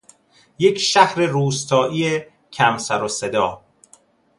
یک شهر روستایی کم سرو صدا